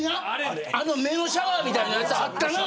目のシャワーみたいなやつあったな。